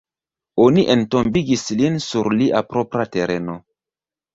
Oni entombigis lin sur lia propra tereno.